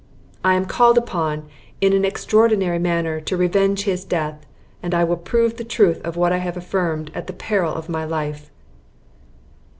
I am called upon, in an extraordinary manner, to revenge his death; and I will prove the truth of what I have affirmed at the peril of my life."